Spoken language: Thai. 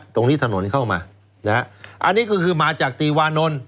ตรงนี้ถนนเข้ามาอันนี้คือมาจากตีวานนล